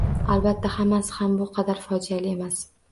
Albatta, hammasi ham bu qadar fojeali emas